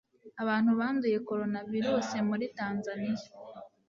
abantu banduye coronavirus muri Tanzania